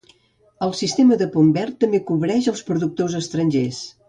El sistema del punt verd també cobreix els productors estrangers.